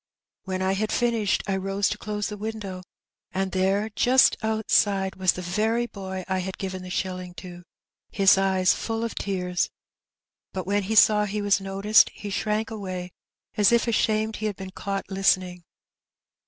* When I had finished, I rose to close the window, and there just outside was the very boy I had given the shilling to, his eyes full of tears; but when he saw he was noticed he shrank away, as if ashamed he had been caught listening.